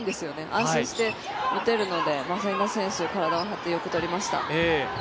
安心して打てるので朝比奈選手体を張って、よくとりました。